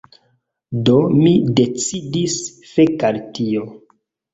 Do, mi decidis fek' al tio